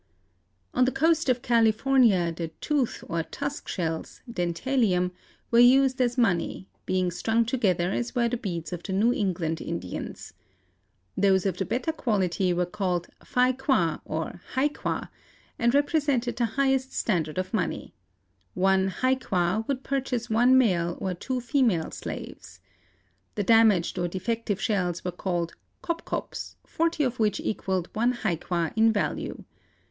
On the coast of California the tooth or tusk shells, Dentalium, were used as money, being strung together as were the beads of the New England Indians. Those of the better quality were called Phai Kwa or hi qua and represented the highest standard of money. One hi qua would purchase one male or two female slaves. The damaged or defective shells were called kop kops, forty of which equalled one hi qua in value.